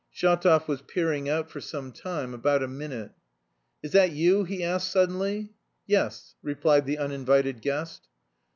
Shatov was peering out for some time, about a minute. "Is that you?" he asked suddenly. "Yes," replied the uninvited guest.